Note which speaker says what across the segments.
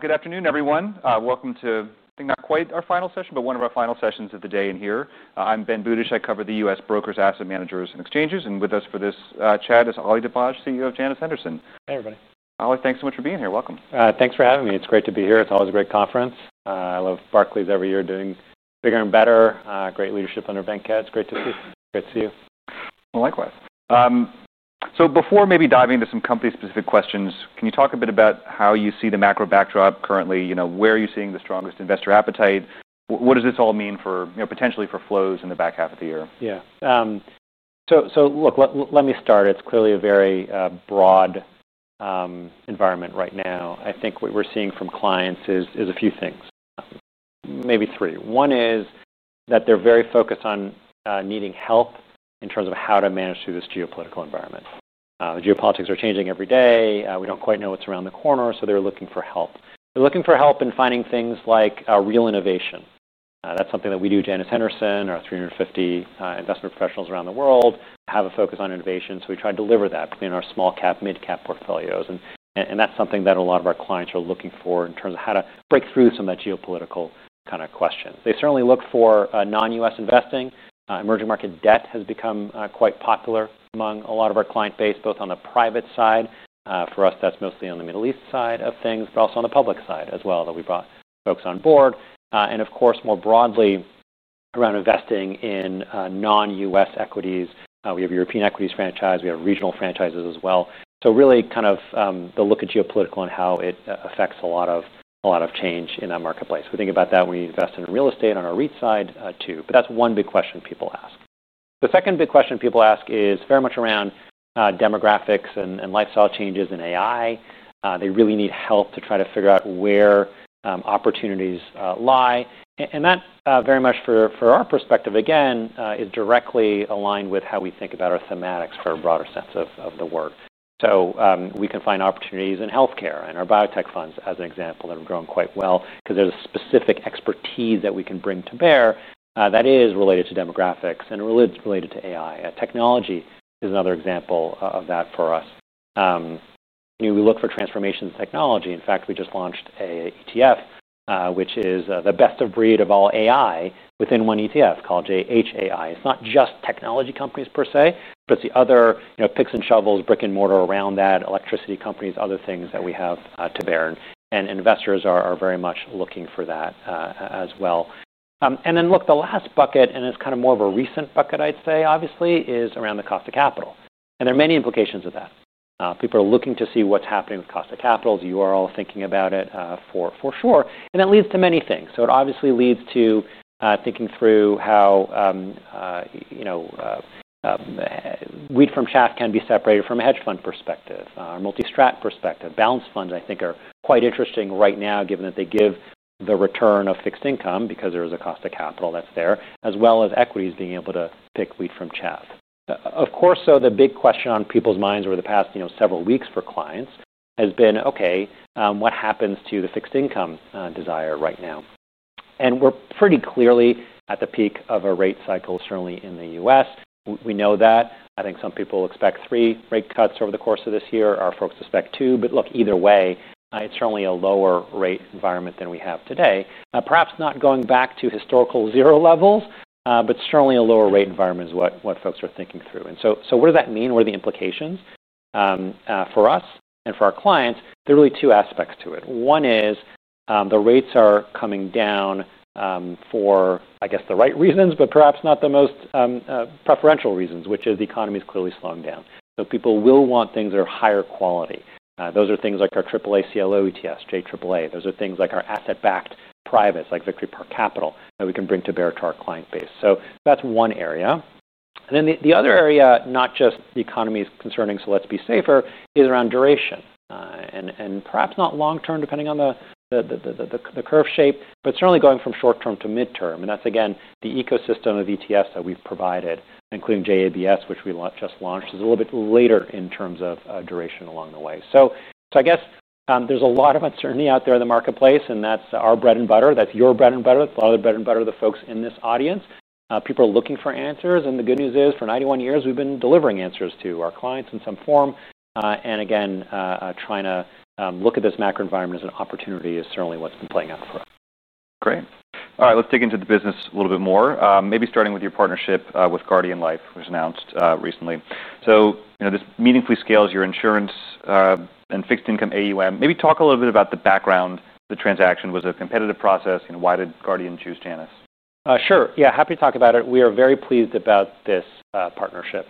Speaker 1: Good afternoon, everyone. Welcome to, I think, not quite our final session, but one of our final sessions of the day in here. I'm Ben Budish. I cover the U.S. brokers, asset managers, and exchanges. With us for this chat is Ali Dibadj, CEO of Janus Henderson Group plc.
Speaker 2: Hey, everybody.
Speaker 1: Ali, thanks so much for being here. Welcome.
Speaker 2: Thanks for having me. It's great to be here. It's always a great conference. I love Barclays every year doing bigger and better. Great leadership under Venkat. It's great to see you.
Speaker 1: Before maybe diving into some company-specific questions, can you talk a bit about how you see the macro backdrop currently? You know, where are you seeing the strongest investor appetite? What does this all mean for, you know, potentially for flows in the back half of the year?
Speaker 2: Yeah. So look, let me start. It's clearly a very broad environment right now. I think what we're seeing from clients is a few things, maybe three. One is that they're very focused on needing help in terms of how to manage through this geopolitical environment. The geopolitics are changing every day. We don't quite know what's around the corner. They're looking for help. They're looking for help in finding things like real innovation. That's something that we do at Janus Henderson. Our 350 investment professionals around the world have a focus on innovation. We try to deliver that between our small-cap and mid-cap portfolios. That's something that a lot of our clients are looking for in terms of how to break through some of that geopolitical kind of question. They certainly look for non-US investing. Emerging market debt has become quite popular among a lot of our client base, both on the private side. For us, that's mostly on the Middle East side of things, but also on the public side as well, that we brought folks on board. Of course, more broadly around investing in non-US equities. We have European equities franchised. We have regional franchises as well. Really kind of the look at geopolitical and how it affects a lot of change in that marketplace. We think about that when we invest in real estate on our REIT side too. That's one big question people ask. The second big question people ask is very much around demographics and lifestyle changes and AI. They really need help to try to figure out where opportunities lie. That very much for our perspective, again, is directly aligned with how we think about our thematics for a broader sense of the word. We can find opportunities in health care and our biotech funds, as an example, that are growing quite well because there's a specific expertise that we can bring to bear that is related to demographics and related to AI. Technology is another example of that for us. We look for transformation in technology. In fact, we just launched an ETF, which is the best of breed of all AI within one ETF called JHAI. It's not just technology companies per se, but it's the other picks and shovels, brick and mortar around that, electricity companies, other things that we have to bear. Investors are very much looking for that as well. The last bucket, and it's kind of more of a recent bucket, I'd say, obviously, is around the cost of capital. There are many implications of that. People are looking to see what's happening with cost of capital. You are all thinking about it for sure. That leads to many things. It obviously leads to thinking through how wheat from chaff can be separated from a hedge fund perspective, a multi-strat perspective. Balanced funds, I think, are quite interesting right now, given that they give the return of fixed income because there is a cost of capital that's there, as well as equities being able to pick wheat from chaff. Of course, the big question on people's minds over the past several weeks for clients has been, OK, what happens to the fixed income desire right now? We're pretty clearly at the peak of a rate cycle, certainly in the U.S. We know that. I think some people expect three rate cuts over the course of this year. Our folks expect two. Look, either way, it's certainly a lower rate environment than we have today. Perhaps not going back to historical zero levels, but certainly a lower rate environment is what folks are thinking through. What does that mean? What are the implications for us and for our clients? There are really two aspects to it. One is the rates are coming down for, I guess, the right reasons, but perhaps not the most preferential reasons, which is the economy is clearly slowing down. People will want things that are higher quality. Those are things like our AAA CLO ETFs, JAAA. Those are things like our asset-backed privates, like Victory Park Capital, that we can bring to bear to our client base. That's one area. The other area, not just the economy is concerning, so let's be safer, is around duration. Perhaps not long term, depending on the curve shape, but certainly going from short term to mid term. That's, again, the ecosystem of ETFs that we've provided, including JABS, which we just launched a little bit later in terms of duration along the way. I guess there's a lot of uncertainty out there in the marketplace. That's our bread and butter. That's your bread and butter. It's a lot of the bread and butter of the folks in this audience. People are looking for answers. The good news is, for 91 years, we've been delivering answers to our clients in some form. Again, trying to look at this macro-economic environment as an opportunity is certainly what's been playing out for us.
Speaker 1: Great. All right. Let's dig into the business a little bit more, maybe starting with your partnership with Guardian Life, which was announced recently. This meaningfully scales your insurance and fixed income AUM. Maybe talk a little bit about the background of the transaction. Was it a competitive process? Why did Guardian choose Janus Henderson?
Speaker 2: Sure. Yeah, happy to talk about it. We are very pleased about this partnership.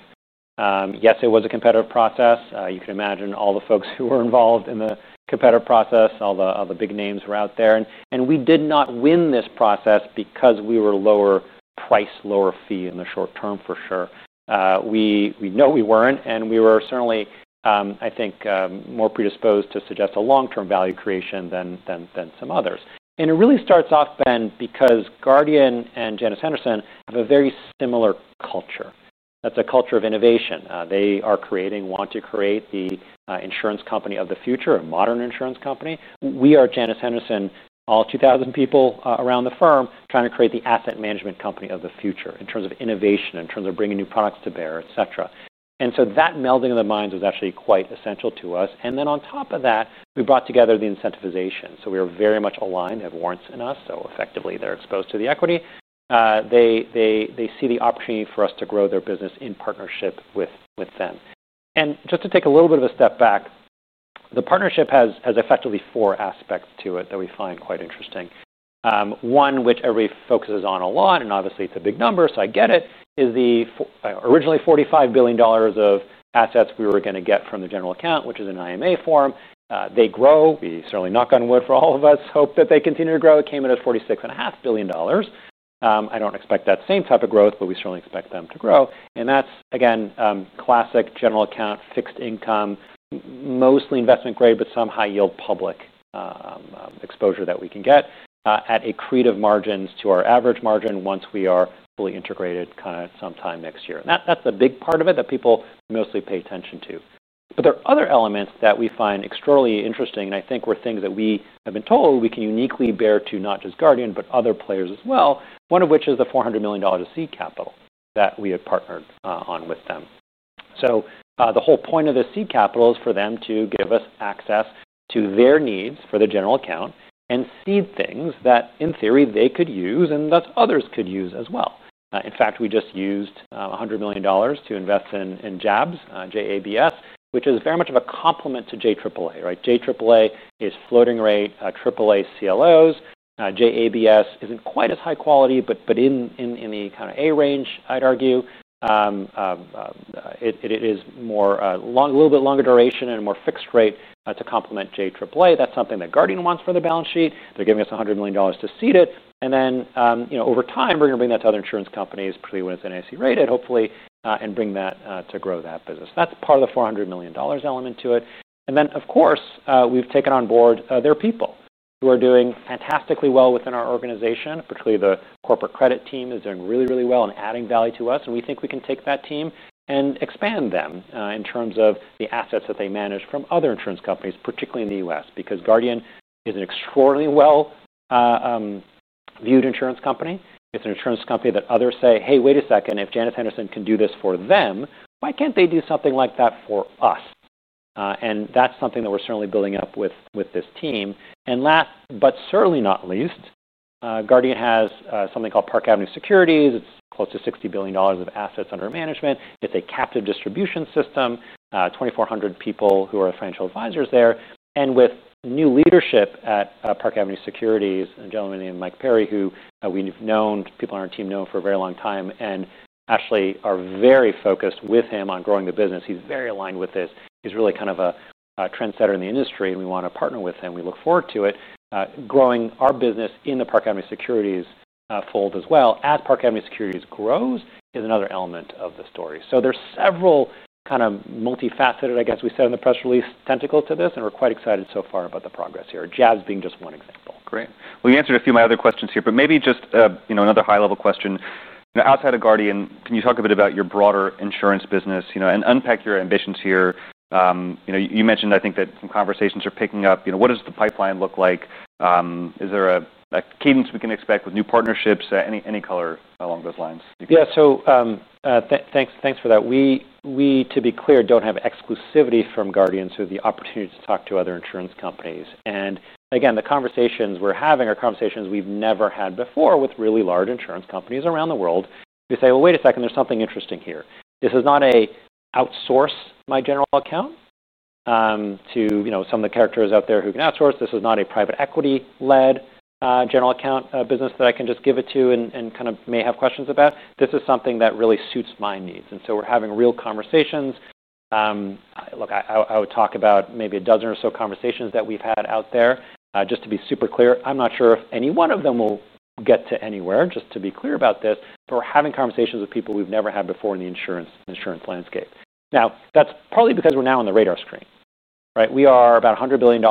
Speaker 2: Yes, it was a competitive process. You can imagine all the folks who were involved in the competitive process, all the big names who were out there. We did not win this process because we were lower price, lower fee in the short term for sure. We know we weren't. We were certainly, I think, more predisposed to suggest a long-term value creation than some others. It really starts off, Ben, because Guardian Life and Janus Henderson Group plc have a very similar culture. That's a culture of innovation. They are creating, want to create the insurance company of the future, a modern insurance company. We are Janus Henderson, all 2,000 people around the firm, trying to create the asset management company of the future in terms of innovation, in terms of bringing new products to bear, et cetera. That melding of the minds was actually quite essential to us. On top of that, we brought together the incentivization. We are very much aligned. They have warrants in us. Effectively, they're exposed to the equity. They see the opportunity for us to grow their business in partnership with them. Just to take a little bit of a step back, the partnership has effectively four aspects to it that we find quite interesting. One, which everybody focuses on a lot, and obviously, it's a big number, so I get it, is the originally $45 billion of assets we were going to get from the general account, which is an IMA form. They grow. We certainly knock on wood for all of us, hope that they continue to grow. It came in at $46.5 billion. I don't expect that same type of growth, but we certainly expect them to grow. That's, again, classic general account, fixed income, mostly investment grade, but some high-yield public exposure that we can get at accretive margins to our average margin once we are fully integrated kind of sometime next year. That's a big part of it that people mostly pay attention to. There are other elements that we find extraordinarily interesting and I think were things that we have been told we can uniquely bear to not just Guardian Life, but other players as well, one of which is the $400 million of seed capital that we had partnered on with them. The whole point of the seed capital is for them to give us access to their needs for the general account and seed things that, in theory, they could use and that others could use as well. In fact, we just used $100 million to invest in JABS, which is very much of a complement to JAAA. JAAA is floating rate, AAA CLOs. JABS isn't quite as high quality, but in the kind of A range, I'd argue. It is a little bit longer duration and a more fixed rate to complement JAAA. That's something that Guardian wants for the balance sheet. They're giving us $100 million to seed it. Over time, we're going to bring that to other insurance companies, particularly when it's NAC rated, hopefully, and bring that to grow that business. That's part of the $400 million element to it. We've taken on board their people who are doing fantastically well within our organization, particularly the corporate credit team is doing really, really well and adding value to us. We think we can take that team and expand them in terms of the assets that they manage from other insurance companies, particularly in the U.S., because Guardian is an extraordinarily well-viewed insurance company. It's an insurance company that others say, hey, wait a second. If Janus Henderson can do this for them, why can't they do something like that for us? That's something that we're certainly building up with this team. Last but certainly not least, Guardian has something called Park Avenue Securities. It's close to $60 billion of assets under management. It's a captive distribution system, 2,400 people who are financial advisors there. With new leadership at Park Avenue Securities, a gentleman named Mike Perry, who we've known, people on our team know him for a very long time and actually are very focused with him on growing the business. He's very aligned with this. He's really kind of a trendsetter in the industry. We want to partner with him. We look forward to it. Growing our business in the Park Avenue Securities fold as well as Park Avenue Securities grows is another element of the story. There are several kind of multifaceted, I guess we said in the press release, tentacles to this. We're quite excited so far about the progress here, JABS being just one example.
Speaker 1: Great. You answered a few of my other questions here, but maybe just another high-level question. Outside of Guardian Life, can you talk a bit about your broader insurance business and unpack your ambitions here? You mentioned, I think, that some conversations are picking up. What does the pipeline look like? Is there a cadence we can expect with new partnerships, any color along those lines?
Speaker 2: Yeah, thanks for that. To be clear, we don't have exclusivity from Guardian through the opportunity to talk to other insurance companies. The conversations we're having are conversations we've never had before with really large insurance companies around the world. We say, wait a second, there's something interesting here. This is not an outsource my general account to some of the characters out there who can outsource. This is not a private equity-led general account business that I can just give it to and kind of may have questions about. This is something that really suits my needs. We're having real conversations. I would talk about maybe a dozen or so conversations that we've had out there. Just to be super clear, I'm not sure if any one of them will get to anywhere, just to be clear about this. We're having conversations with people we've never had before in the insurance landscape. That's partly because we're now on the radar screen. We are about $100 billion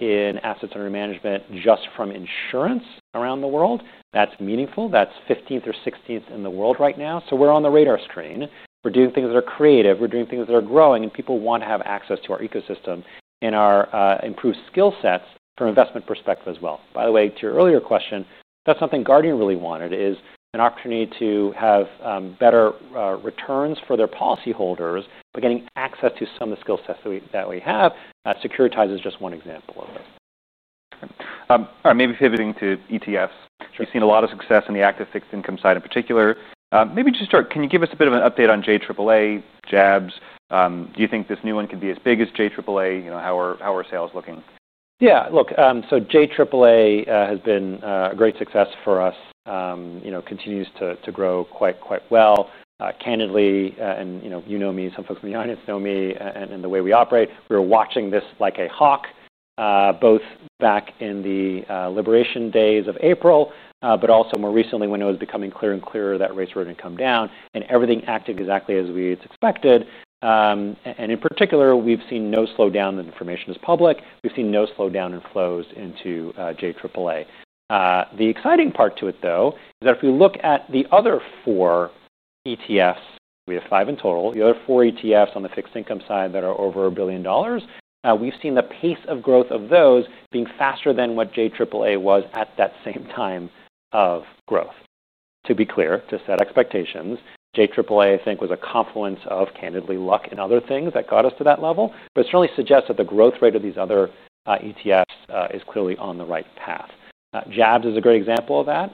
Speaker 2: in assets under management just from insurance around the world. That's meaningful. That's 15th or 16th in the world right now. We're on the radar screen. We're doing things that are creative. We're doing things that are growing. People want to have access to our ecosystem and our improved skill sets from an investment perspective as well. By the way, to your earlier question, that's something Guardian really wanted, is an opportunity to have better returns for their policyholders by getting access to some of the skill sets that we have. Securitize is just one example of this.
Speaker 1: All right. Maybe pivoting to ETFs. You've seen a lot of success in the active fixed income side in particular. Maybe just start, can you give us a bit of an update on JAAA, JABS? Do you think this new one could be as big as JAAA? How are sales looking?
Speaker 2: Yeah, look, so JAAA has been a great success for us. It continues to grow quite well. Candidly, and you know me, some folks in the audience know me, and the way we operate, we were watching this like a hawk, both back in the liberation days of April, but also more recently when it was becoming clearer and clearer that rates road had come down. Everything acted exactly as we expected. In particular, we've seen no slowdown in information as public. We've seen no slowdown in flows into JAAA. The exciting part to it, though, is that if we look at the other four ETFs, we have five in total, the other four ETFs on the fixed income side that are over $1 billion, we've seen the pace of growth of those being faster than what JAAA was at that same time of growth. To be clear, to set expectations, JAAA, I think, was a confluence of, candidly, luck and other things that got us to that level. It certainly suggests that the growth rate of these other ETFs is clearly on the right path. JABS is a great example of that.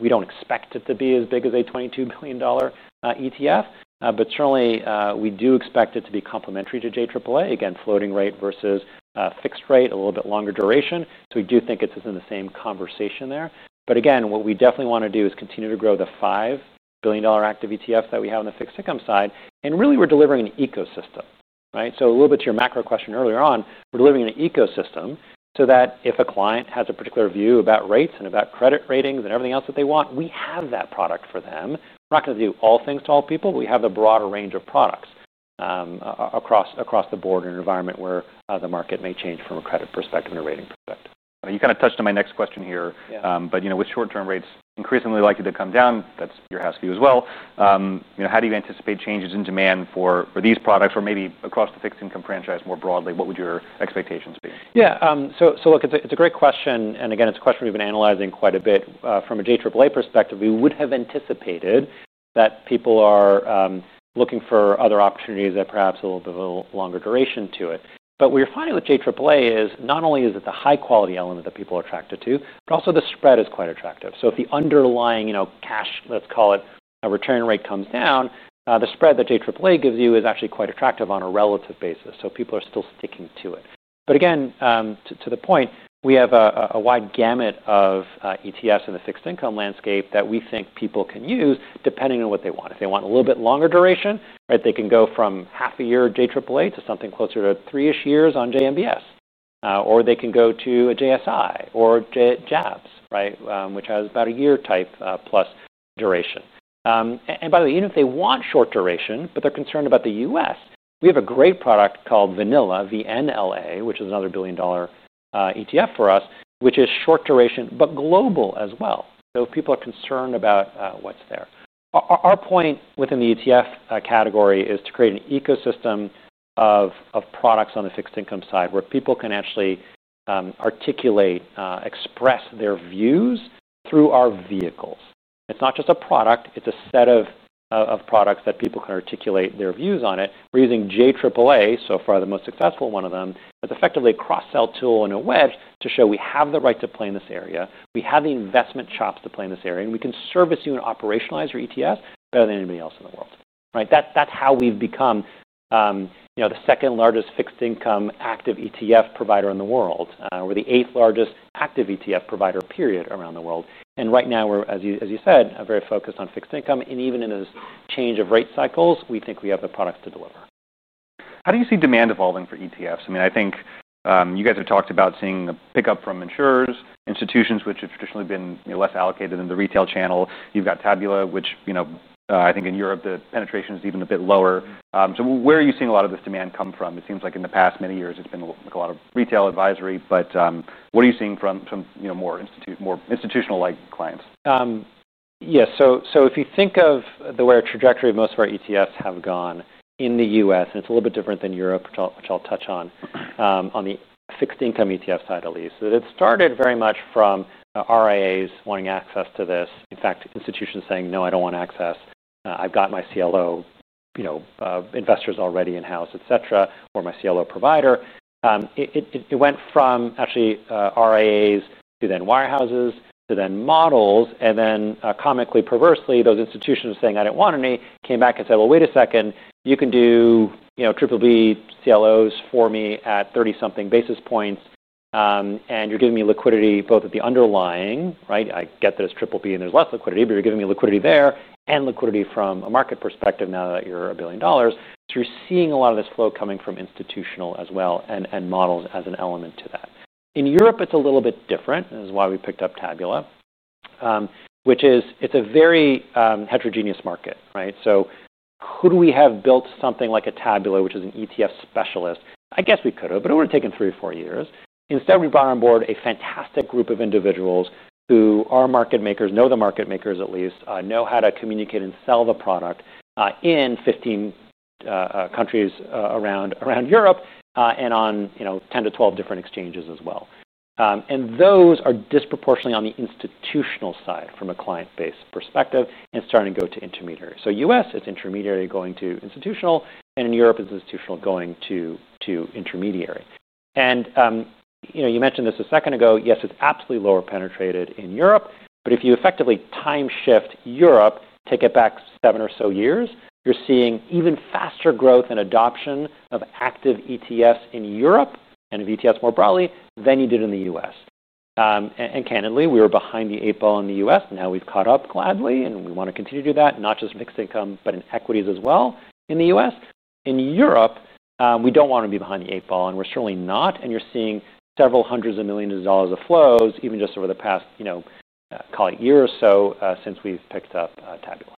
Speaker 2: We don't expect it to be as big as a $22 billion ETF. We do expect it to be complementary to JAAA, again, floating rate versus fixed rate, a little bit longer duration. We do think it's in the same conversation there. What we definitely want to do is continue to grow the $5 billion active ETFs that we have on the fixed income side. We're delivering an ecosystem. A little bit to your macro question earlier on, we're delivering an ecosystem so that if a client has a particular view about rates and about credit ratings and everything else that they want, we have that product for them. We're not going to do all things to all people. We have a broader range of products across the board in an environment where the market may change from a credit perspective and a rating perspective.
Speaker 1: You kind of touched on my next question here. With short-term rates increasingly likely to come down, that's your house view as well, how do you anticipate changes in demand for these products or maybe across the fixed income franchise more broadly? What would your expectations be?
Speaker 2: Yeah, it's a great question. It's a question we've been analyzing quite a bit. From a JAAA perspective, we would have anticipated that people are looking for other opportunities that perhaps have a little bit of a longer duration to it. What you're finding with JAAA is not only is it the high-quality element that people are attracted to, but also the spread is quite attractive. If the underlying cash, let's call it, return rate comes down, the spread that JAAA gives you is actually quite attractive on a relative basis. People are still sticking to it. To the point, we have a wide gamut of ETFs in the fixed income landscape that we think people can use depending on what they want. If they want a little bit longer duration, they can go from half a year JAAA to something closer to three-ish years on JMBS. They can go to a JSI or JABS, which has about a year type plus duration. By the way, even if they want short duration, but they're concerned about the U.S., we have a great product called VNLA, V-N-L-A, which is another billion-dollar ETF for us, which is short duration but global as well, if people are concerned about what's there. Our point within the ETF category is to create an ecosystem of products on the fixed income side where people can actually articulate, express their views through our vehicles. It's not just a product. It's a set of products that people can articulate their views on. We're using JAAA, so far the most successful one of them. That's effectively a cross-sell tool and a wedge to show we have the right to play in this area. We have the investment chops to play in this area. We can service you and operationalize your ETFs better than anybody else in the world. That's how we've become the second largest fixed income active ETF provider in the world. We're the eighth largest active ETF provider, period, around the world. Right now, we're, as you said, very focused on fixed income. Even in this change of rate cycles, we think we have the products to deliver.
Speaker 1: How do you see demand evolving for ETFs? I mean, I think you guys have talked about seeing a pickup from insurers, institutions which have traditionally been less allocated in the retail channel. You've got Tabula, which I think in Europe, the penetration is even a bit lower. Where are you seeing a lot of this demand come from? It seems like in the past many years, it's been a lot of retail advisory. What are you seeing from more institutional-like clients?
Speaker 2: Yeah, so if you think of the way our trajectory of most of our ETFs have gone in the U.S., and it's a little bit different than Europe, which I'll touch on, on the fixed income ETF side, at least, it started very much from RIAs wanting access to this. In fact, institutions saying, no, I don't want access. I've got my CLO investors already in-house, et cetera, or my CLO provider. It went from actually RIAs to then wirehouses to then models. Comically, perversely, those institutions saying, I don't want any, came back and said, wait a second. You can do BBB CLOs for me at 30-something basis points. You're giving me liquidity both at the underlying. I get that it's BBB and there's less liquidity, but you're giving me liquidity there and liquidity from a market perspective now that you're a billion dollars. You're seeing a lot of this flow coming from institutional as well and models as an element to that. In Europe, it's a little bit different. This is why we picked up Tabula, which is a very heterogeneous market. Could we have built something like a Tabula, which is an ETF specialist? I guess we could have, but it would have taken three or four years. Instead, we brought on board a fantastic group of individuals who are market makers, know the market makers at least, know how to communicate and sell the product in 15 countries around Europe and on 10 to 12 different exchanges as well. Those are disproportionately on the institutional side from a client base perspective and starting to go to intermediary. U.S., it's intermediary going to institutional. In Europe, it's institutional going to intermediary. You mentioned this a second ago. Yes, it's absolutely lower penetrated in Europe. If you effectively time-shift Europe to get back seven or so years, you're seeing even faster growth in adoption of active ETFs in Europe and of ETFs more broadly than you did in the U.S. Candidly, we were behind the eight ball in the U.S. Now we've caught up gladly. We want to continue to do that, not just in fixed income, but in equities as well in the U.S. In Europe, we don't want to be behind the eight ball. We're certainly not. You're seeing several hundreds of millions of dollars of flows even just over the past, call it, year or so since we've picked up Tabula.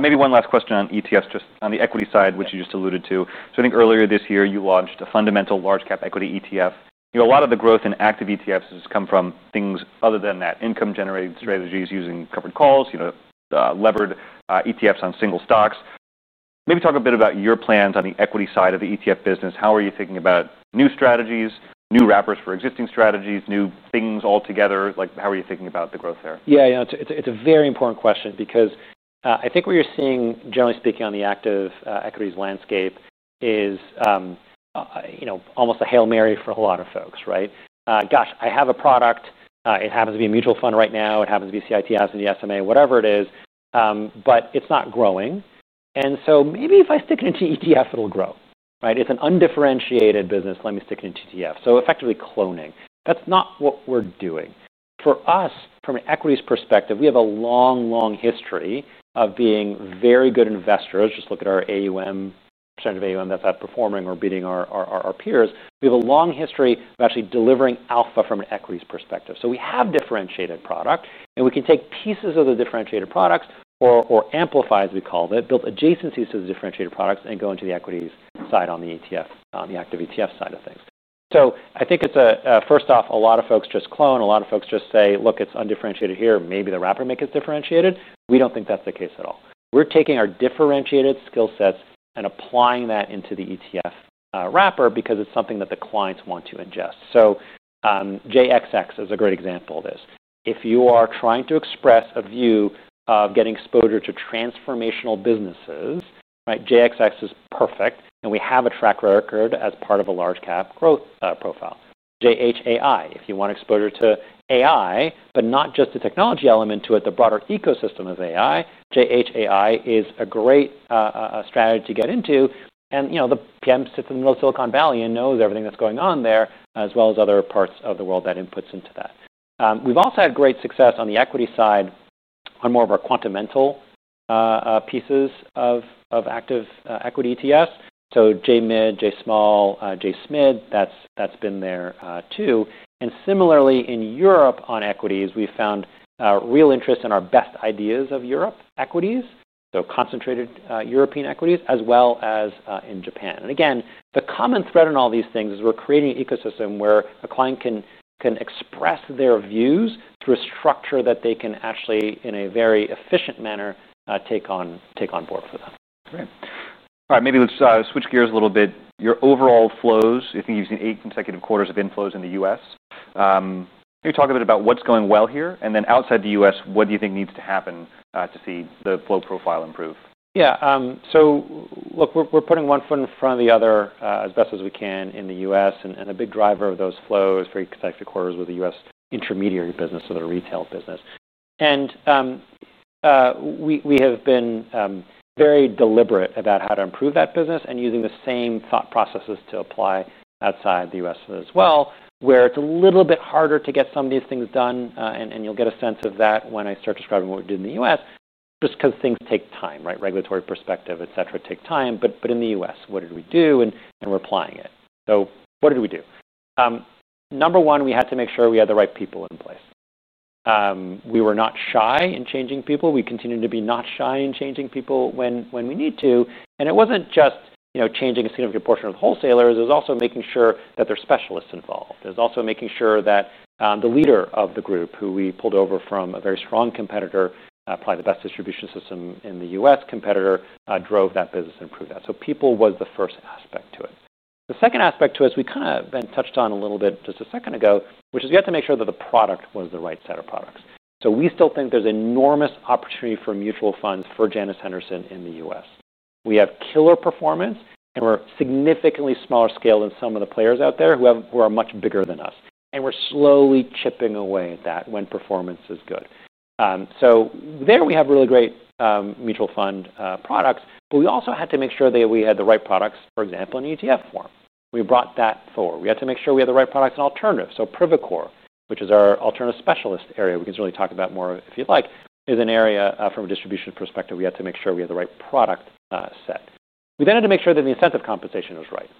Speaker 1: Maybe one last question on ETFs just on the equity side, which you just alluded to. I think earlier this year, you launched a fundamental large-cap equity ETF. A lot of the growth in active ETFs has come from things other than that, income-generating strategies using covered calls, levered ETFs on single stocks. Maybe talk a bit about your plans on the equity side of the ETF business. How are you thinking about new strategies, new wrappers for existing strategies, new things altogether? How are you thinking about the growth there?
Speaker 2: Yeah, it's a very important question because I think what you're seeing, generally speaking, on the active equities landscape is almost a Hail Mary for a lot of folks. Gosh, I have a product. It happens to be a mutual fund right now. It happens to be CIT. It happens to be SMA, whatever it is. It's not growing. Maybe if I stick it into ETF, it'll grow. It's an undifferentiated business. Let me stick it into ETF. Effectively cloning. That's not what we're doing. For us, from an equities perspective, we have a long, long history of being very good investors. Just look at our AUM, percentage of AUM that's outperforming or beating our peers. We have a long history of actually delivering alpha from an equities perspective. We have differentiated product. We can take pieces of the differentiated products or amplify, as we call it, built adjacencies to the differentiated products and go into the equities side on the active ETF side of things. I think it's a first off, a lot of folks just clone. A lot of folks just say, look, it's undifferentiated here. Maybe the wrapper makes it differentiated. We don't think that's the case at all. We're taking our differentiated skill sets and applying that into the ETF wrapper because it's something that the clients want to ingest. JXX is a great example of this. If you are trying to express a view of getting exposure to transformational businesses, JXX is perfect. We have a track record as part of a large-cap growth profile. JHAI, if you want exposure to AI, but not just the technology element to it, the broader ecosystem of AI, JHAI is a great strategy to get into. The PM sits in the middle of Silicon Valley and knows everything that's going on there, as well as other parts of the world that inputs into that. We've also had great success on the equity side on more of our quantamental pieces of active equity ETFs. JMID, JSmall, JSMID, that's been there too. Similarly, in Europe on equities, we found real interest in our best ideas of Europe equities, so concentrated European equities, as well as in Japan. The common thread in all these things is we're creating an ecosystem where a client can express their views through a structure that they can actually, in a very efficient manner, take on board for them.
Speaker 1: Great. All right. Maybe let's switch gears a little bit. Your overall flows, I think you've seen eight consecutive quarters of inflows in the U.S. Maybe talk a bit about what's going well here. Then outside the U.S., what do you think needs to happen to see the flow profile improve?
Speaker 2: Yeah, look, we're putting one foot in front of the other as best as we can in the U.S. A big driver of those flows, three consecutive quarters, was the U.S. intermediary business, so the retail business. We have been very deliberate about how to improve that business and using the same thought processes to apply outside the U.S. as well, where it's a little bit harder to get some of these things done. You'll get a sense of that when I start describing what we did in the U.S., just because things take time. Regulatory perspective, et cetera, take time. In the U.S., what did we do? We're applying it. What did we do? Number one, we had to make sure we had the right people in place. We were not shy in changing people. We continue to be not shy in changing people when we need to. It wasn't just changing a significant portion of the wholesalers. It was also making sure that there are specialists involved. It was also making sure that the leader of the group, who we pulled over from a very strong competitor, probably the best distribution system in the U.S. competitor, drove that business and improved that. People was the first aspect to it. The second aspect to it is we kind of touched on a little bit just a second ago, which is we had to make sure that the product was the right set of products. We still think there's enormous opportunity for mutual funds for Janus Henderson in the U.S. We have killer performance. We're significantly smaller scale than some of the players out there who are much bigger than us. We're slowly chipping away at that when performance is good. There, we have really great mutual fund products. We also had to make sure that we had the right products, for example, in ETF form. We brought that forward. We had to make sure we had the right products in alternatives. Privacore, which is our alternative specialist area, we can certainly talk about more if you'd like, is an area from a distribution perspective we had to make sure we had the right product set. We then had to make sure that the incentive compensation is right.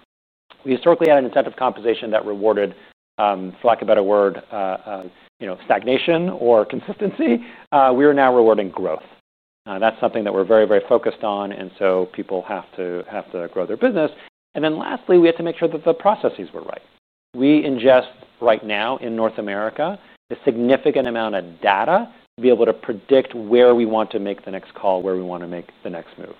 Speaker 2: We historically had an incentive compensation that rewarded, for lack of a better word, stagnation or consistency. We are now rewarding growth. That's something that we're very, very focused on. People have to grow their business. Lastly, we had to make sure that the processes were right. We ingest right now in North America a significant amount of data to be able to predict where we want to make the next call, where we want to make the next move.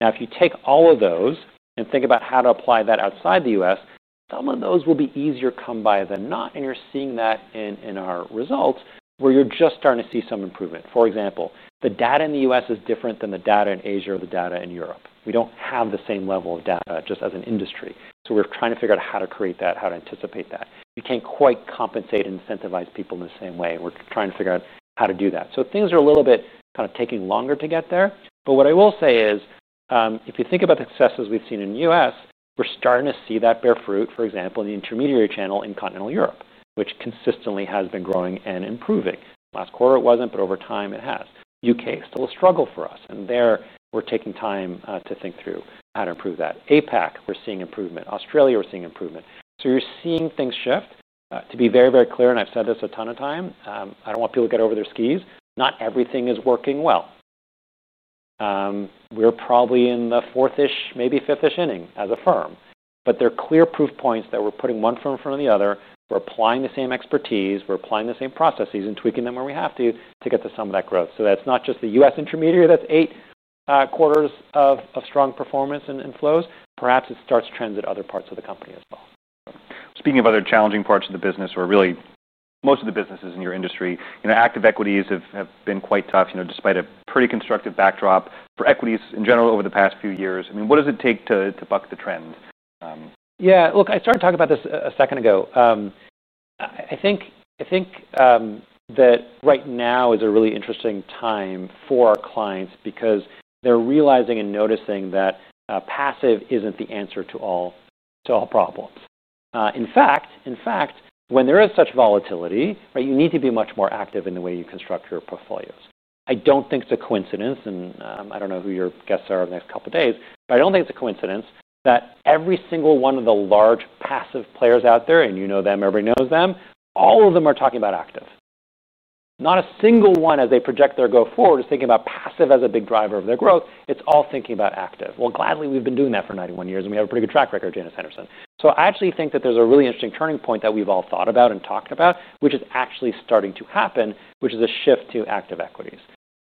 Speaker 2: If you take all of those and think about how to apply that outside the U.S., some of those will be easier to come by than not. You're seeing that in our results where you're just starting to see some improvement. For example, the data in the U.S. is different than the data in Asia or the data in Europe. We don't have the same level of data just as an industry. We're trying to figure out how to create that, how to anticipate that. You can't quite compensate and incentivize people in the same way. We're trying to figure out how to do that. Things are a little bit kind of taking longer to get there. What I will say is if you think about the successes we've seen in the U.S., we're starting to see that bear fruit, for example, in the intermediary channel in continental Europe, which consistently has been growing and improving. Last quarter, it wasn't, but over time, it has. The UK is still a struggle for us. There, we're taking time to think through how to improve that. APAC, we're seeing improvement. Australia, we're seeing improvement. You're seeing things shift. To be very, very clear, and I've said this a ton of times, I don't want people to get over their skis. Not everything is working well. We're probably in the fourth-ish, maybe fifth-ish inning as a firm. There are clear proof points that we're putting one firm in front of the other. We're applying the same expertise. We're applying the same processes and tweaking them where we have to to get to some of that growth. That's not just the U.S. intermediary that's eight quarters of strong performance and flows. Perhaps it starts trends at other parts of the company as well.
Speaker 1: Speaking of other challenging parts of the business or really most of the businesses in your industry, active equities have been quite tough despite a pretty constructive backdrop for equities in general over the past few years. I mean, what does it take to buck the trend?
Speaker 2: Yeah, look, I started talking about this a second ago. I think that right now is a really interesting time for our clients because they're realizing and noticing that passive isn't the answer to all problems. In fact, when there is such volatility, you need to be much more active in the way you construct your portfolios. I don't think it's a coincidence. I don't know who your guests are in the next couple of days, but I don't think it's a coincidence that every single one of the large passive players out there, and you know them, everybody knows them, all of them are talking about active. Not a single one, as they project their growth forward, is thinking about passive as a big driver of their growth. It's all thinking about active. Gladly, we've been doing that for 91 years, and we have a pretty good track record at Janus Henderson. I actually think that there's a really interesting turning point that we've all thought about and talked about, which is actually starting to happen, which is a shift to active equities.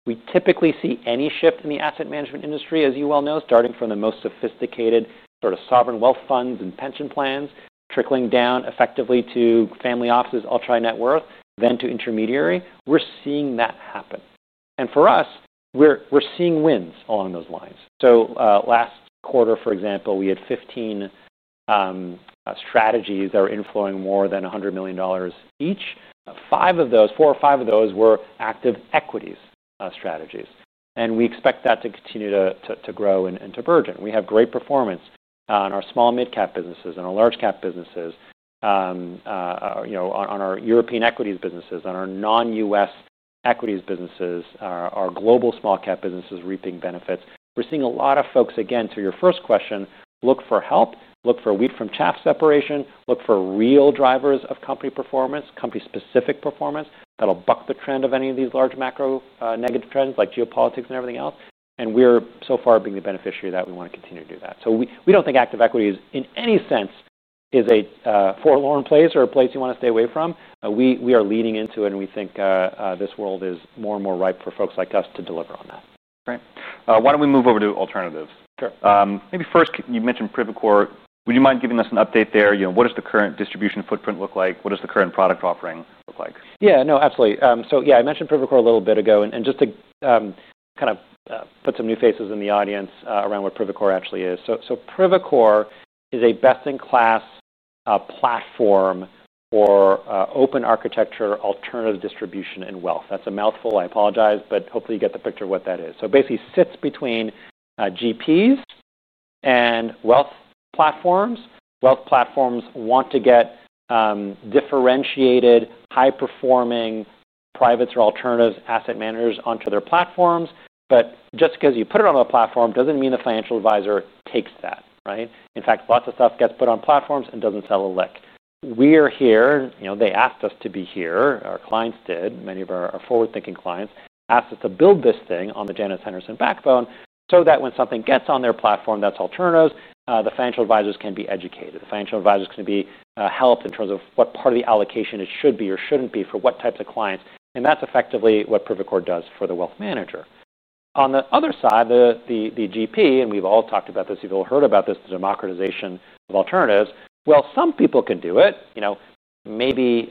Speaker 2: We typically see any shift in the asset management industry, as you well know, starting from the most sophisticated sort of sovereign wealth funds and pension plans, trickling down effectively to family offices, ultra net worth, then to intermediary. We're seeing that happen, and for us, we're seeing wins along those lines. Last quarter, for example, we had 15 strategies that were inflowing more than $100 million each. Four or five of those were active equities strategies, and we expect that to continue to grow and to burgeon. We have great performance in our small and mid-cap businesses, in our large-cap businesses, on our European equities businesses, on our non-US equities businesses, our global small-cap businesses reaping benefits. We're seeing a lot of folks, again, to your first question, look for help, look for wheat from chaff separation, look for real drivers of company performance, company-specific performance that'll buck the trend of any of these large macro negative trends like geopolitics and everything else. We're, so far, being the beneficiary of that. We want to continue to do that. We don't think active equities, in any sense, is a forlorn place or a place you want to stay away from. We are leaning into it, and we think this world is more and more ripe for folks like us to deliver on that.
Speaker 1: Great. Why don't we move over to alternatives?
Speaker 2: Sure.
Speaker 1: Maybe first, you mentioned Privacore. Would you mind giving us an update there? What does the current distribution footprint look like? What does the current product offering look like?
Speaker 2: Yeah, no, absolutely. I mentioned Privacore a little bit ago. Just to kind of put some new faces in the audience around what Privacore actually is, Privacore is a best-in-class platform for open architecture, alternative distribution, and wealth. That's a mouthful. I apologize. Hopefully, you get the picture of what that is. It basically sits between GPs and wealth platforms. Wealth platforms want to get differentiated, high-performing privates or alternatives asset managers onto their platforms. Just because you put it on a platform doesn't mean the financial advisor takes that. In fact, lots of stuff gets put on platforms and doesn't sell a lick. We are here. They asked us to be here. Our clients did. Many of our forward-thinking clients asked us to build this thing on the Janus Henderson backbone so that when something gets on their platform that's alternatives, the financial advisors can be educated. The financial advisors can be helped in terms of what part of the allocation it should be or shouldn't be for what types of clients. That's effectively what Privacore does for the wealth manager. On the other side, the GP, and we've all talked about this. You've all heard about this, the democratization of alternatives. Some people can do it. Maybe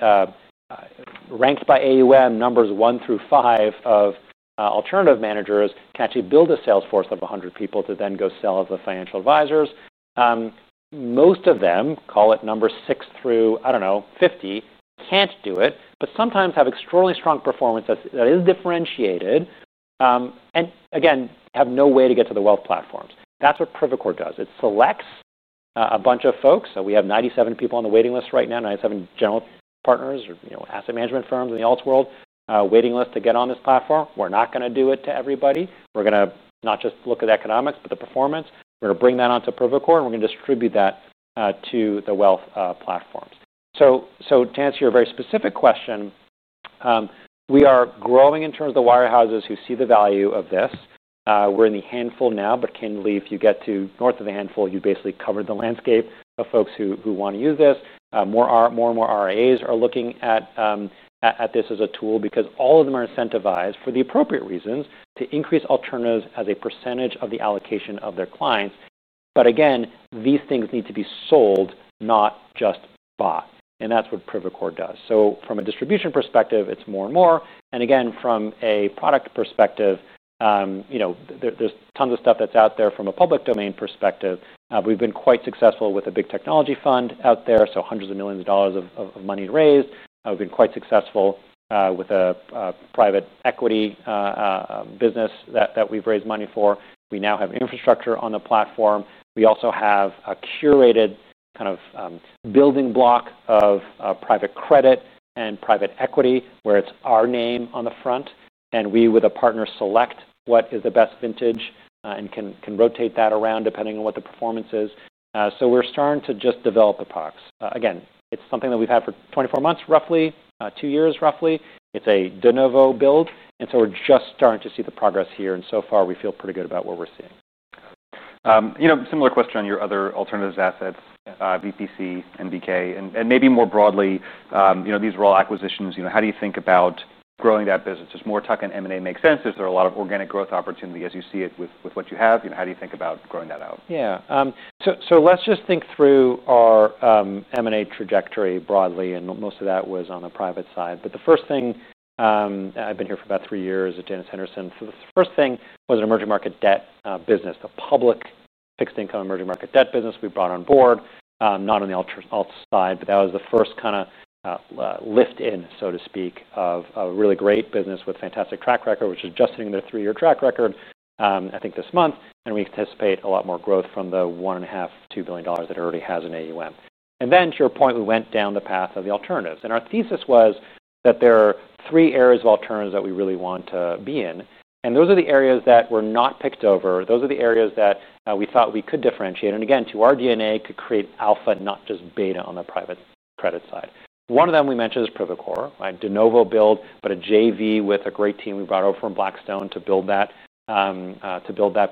Speaker 2: ranked by AUM, numbers one through five of alternative managers can actually build a sales force of 100 people to then go sell to the financial advisors. Most of them, call it numbers six through, I don't know, 50, can't do it, but sometimes have extraordinarily strong performance that is differentiated and, again, have no way to get to the wealth platforms. That's what Privacore does. It selects a bunch of folks. We have 97 people on the waiting list right now, 97 general partners or asset management firms in the alt world waiting list to get on this platform. We're not going to do it to everybody. We're going to not just look at the economics, but the performance. We're going to bring that onto Privacore. We're going to distribute that to the wealth platforms. To answer your very specific question, we are growing in terms of the wirehouses who see the value of this. We're in the handful now. Candidly, if you get to north of the handful, you basically covered the landscape of folks who want to use this. More and more RIAs are looking at this as a tool because all of them are incentivized for the appropriate reasons to increase alternatives as a % of the allocation of their clients. These things need to be sold, not just bought. That's what Privacore does. From a distribution perspective, it's more and more. From a product perspective, there's tons of stuff that's out there from a public domain perspective. We've been quite successful with a big technology fund out there. Hundreds of millions of dollars of money raised. We've been quite successful with a private equity business that we've raised money for. We now have infrastructure on the platform. We also have a curated kind of building block of private credit and private equity where it's our name on the front. We, with a partner, select what is the best vintage and can rotate that around depending on what the performance is. We're starting to just develop the products. It's something that we've had for 24 months, roughly two years. It's a de novo build. We're just starting to see the progress here. So far, we feel pretty good about what we're seeing.
Speaker 1: Similar question on your other alternatives assets, Victory Park Capital, National Bank of Kuwait, and maybe more broadly, these roll acquisitions. How do you think about growing that business? Does more tuck in M&A make sense? Is there a lot of organic growth opportunity as you see it with what you have? How do you think about growing that out?
Speaker 2: Yeah, so let's just think through our M&A trajectory broadly. Most of that was on the private side. The first thing, I've been here for about three years at Janus Henderson. The first thing was an emerging market debt business, the public fixed income emerging market debt business we brought on board, not on the alt side. That was the first kind of lift-in, so to speak, of a really great business with a fantastic track record, which is adjusting their three-year track record, I think, this month. We anticipate a lot more growth from the $1.5 to $2 billion that it already has in AUM. To your point, we went down the path of the alternatives. Our thesis was that there are three areas of alternatives that we really want to be in. Those are the areas that were not picked over. Those are the areas that we thought we could differentiate. Again, to our DNA, to create alpha, not just beta on the private credit side. One of them we mentioned is Privacore, de novo build, but a JV with a great team we brought over from Blackstone to build that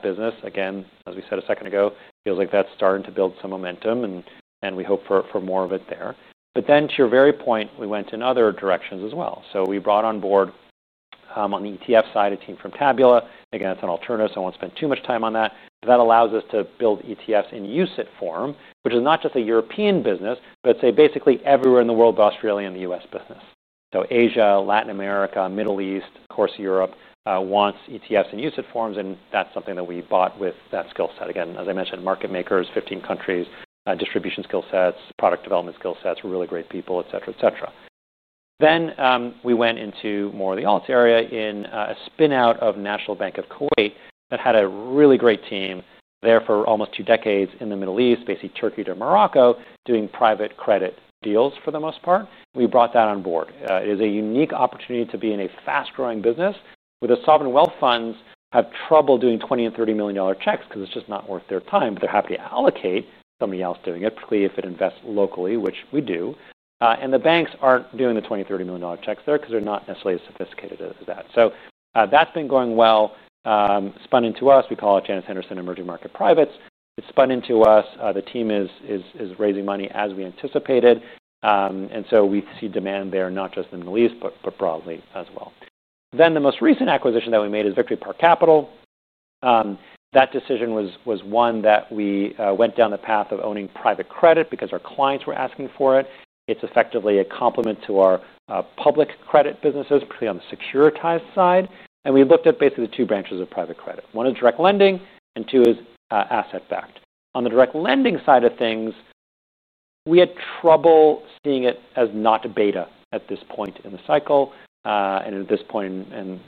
Speaker 2: business. As we said a second ago, it feels like that's starting to build some momentum. We hope for more of it there. To your very point, we went in other directions as well. We brought on board, on the ETF side, a team from Tabula. That's an alternative. I won't spend too much time on that. That allows us to build ETFs in UCITS form, which is not just a European business, but basically everywhere in the world except Australia and the U.S. business. Asia, Latin America, Middle East, of course, Europe wants ETFs in UCITS forms. That's something that we bought with that skill set. As I mentioned, market makers, 15 countries, distribution skill sets, product development skill sets, really great people, et cetera, et cetera. We went into more of the alt area in a spin-out of National Bank of Kuwait that had a really great team there for almost two decades in the Middle East, basically Turkey to Morocco, doing private credit deals for the most part. We brought that on board. It is a unique opportunity to be in a fast-growing business where the sovereign wealth funds have trouble doing $20 and $30 million checks because it's just not worth their time. They're happy to allocate somebody else doing it, particularly if it invests locally, which we do. The banks are not doing the $20 million and $30 million checks there because they are not necessarily as sophisticated as that. That has been going well. Spun into us, we call it Janus Henderson Emerging Market Privates. It is spun into us. The team is raising money as we anticipated. We see demand there, not just in the Middle East, but broadly as well. The most recent acquisition that we made is Victory Park Capital. That decision was one that we went down the path of owning private credit because our clients were asking for it. It is effectively a complement to our public credit businesses, particularly on the securitized side. We looked at basically the two branches of private credit. One is direct lending and two is asset-backed. On the direct lending side of things, we had trouble seeing it as not too beta at this point in the cycle. At this point, the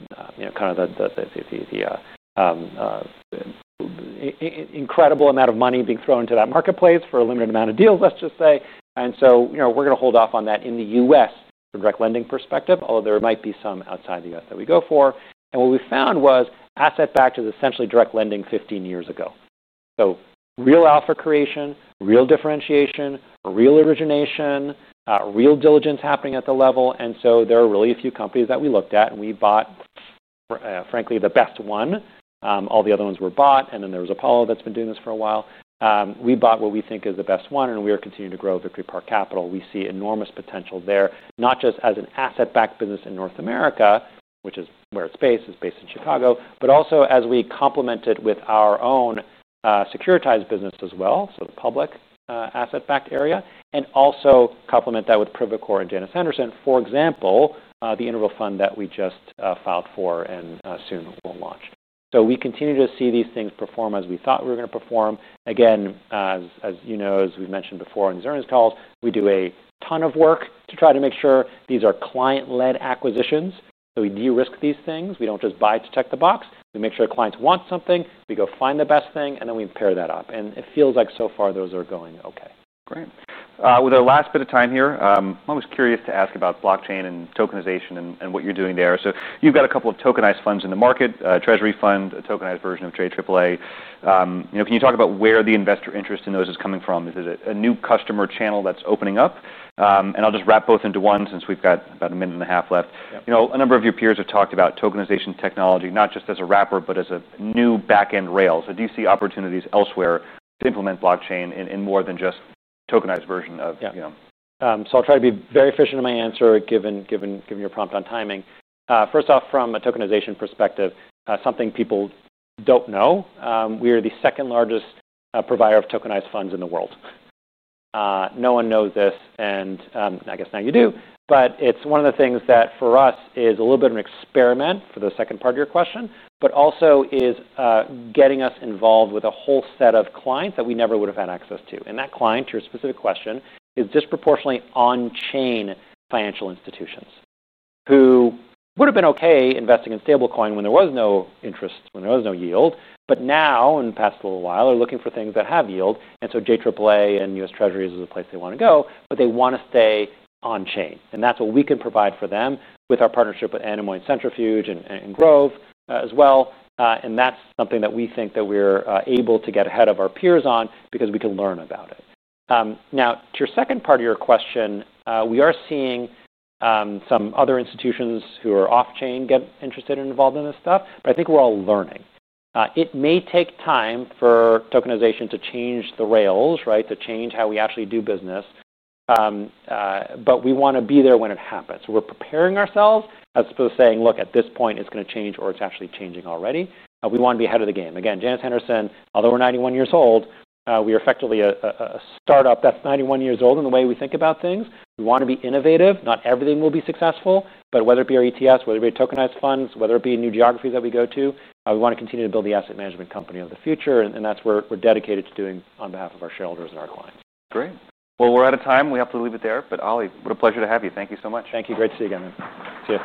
Speaker 2: incredible amount of money being thrown into that marketplace for a limited amount of deals, let us just say, makes us cautious. We are going to hold off on that in the U.S. from a direct lending perspective, although there might be some outside the U.S. that we go for. What we found was asset-backed is essentially direct lending 15 years ago. There is real offer creation, real differentiation, real origination, real diligence happening at the level. There are really a few companies that we looked at. We bought, frankly, the best one. All the other ones were bought. There was Apollo that has been doing this for a while. We bought what we think is the best one. We are continuing to grow Victory Park Capital. We see enormous potential there, not just as an asset-backed business in North America, which is where it is based. It is based in Chicago, but also as we complement it with our own securitized business as well, the public asset-backed area, and also complement that with Privacore and Janus Henderson, for example, the interval fund that we just filed for and soon will launch. We continue to see these things perform as we thought they were going to perform. As you know, as we have mentioned before on these earnings calls, we do a ton of work to try to make sure these are client-led acquisitions. We de-risk these things. We do not just buy to check the box. We make sure clients want something. We go find the best thing. We pair that up. It feels like, so far, those are going OK.
Speaker 1: Great. With our last bit of time here, I'm always curious to ask about blockchain and tokenization and what you're doing there. You've got a couple of tokenized funds in the market, a treasury fund, a tokenized version of JAAA. Can you talk about where the investor interest in those is coming from? Is it a new customer channel that's opening up? I'll just wrap both into one since we've got about a minute and a half left. A number of your peers have talked about tokenization technology, not just as a wrapper, but as a new back-end rail. Do you see opportunities elsewhere to implement blockchain in more than just a tokenized version of?
Speaker 2: Yeah, so I'll try to be very efficient in my answer, given your prompt on timing. First off, from a tokenization perspective, something people don't know, we are the second largest provider of tokenized funds in the world. No one knows this. I guess now you do. It's one of the things that, for us, is a little bit of an experiment for the second part of your question, but also is getting us involved with a whole set of clients that we never would have had access to. That client, to your specific question, is disproportionately on-chain financial institutions who would have been OK investing in stablecoin when there was no interest, when there was no yield. Now, in the past little while, they're looking for things that have yield. JAAA and U.S. Treasuries is a place they want to go. They want to stay on chain. That's what we can provide for them with our partnership with Animo and Centrifuge and Grove as well. That's something that we think that we're able to get ahead of our peers on because we can learn about it. Now, to your second part of your question, we are seeing some other institutions who are off-chain get interested and involved in this stuff. I think we're all learning. It may take time for tokenization to change the rails, to change how we actually do business. We want to be there when it happens. We're preparing ourselves as opposed to saying, look, at this point, it's going to change or it's actually changing already. We want to be ahead of the game. Again, Janus Henderson, although we're 91 years old, we are effectively a startup that's 91 years old in the way we think about things. We want to be innovative. Not everything will be successful. Whether it be our ETFs, whether it be tokenized funds, whether it be new geographies that we go to, we want to continue to build the asset management company of the future. That's what we're dedicated to doing on behalf of our shareholders and our clients.
Speaker 1: Great. We're out of time. We have to leave it there. Ali, what a pleasure to have you. Thank you so much.
Speaker 2: Thank you. Great to see you again, Ben.
Speaker 1: See you.